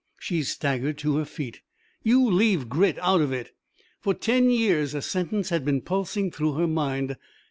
She staggered to her feet. "You leave Grit out of it!" For ten years a sentence had been pulsing through her mind.